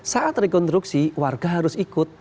saat rekonstruksi warga harus ikut